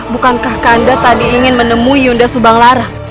bukankah anda tadi ingin menemui yunda subang lara